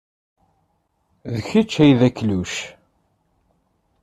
D kečč ay d akluc.